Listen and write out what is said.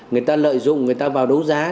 người ta lợi dụng người ta vào đấu giá